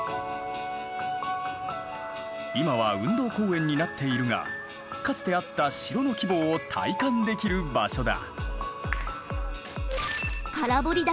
今は運動公園になっているがかつてあった城の規模を体感できる場所だ。